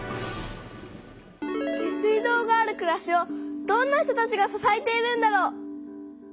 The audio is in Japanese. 下水道があるくらしをどんな人たちが支えているんだろう？